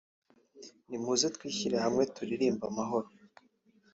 nimuze twishyire hamwe turirimbe amahoro